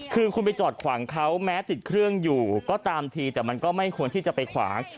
คือคุณไปจอดขวางเขาแม้ติดเครื่องอยู่ก็ตามทีแต่มันก็ไม่ควรที่จะไปขวาง